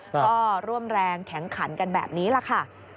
ก็ร่วมแรงแข็งขันกันแบบนี้แหละค่ะ